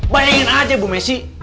bayangin aja bu messi